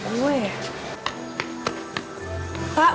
pak bapak gak apa apa